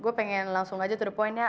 gue pengen langsung saja to the point ya